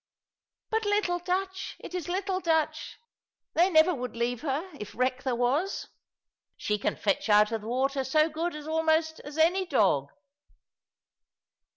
"But little Dutch, it is little Dutch! They never would leave her, if wreck there was. She can fetch out of the water so good almost as any dog."